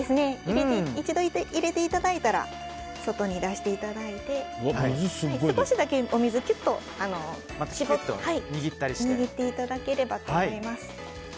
一度、入れていただいたら外に出していただいて少しだけお水をキュッと絞って握っていただければと思います。